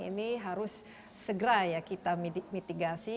ini harus segera ya kita mitigasi